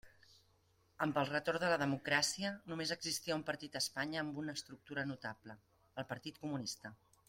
Amb el retorn de la democràcia, només existia un partit a Espanya amb una estructura notable: el Partit Comunista.